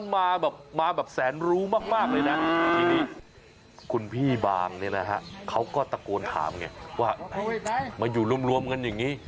มาอยู่รวมกันอย่างนี้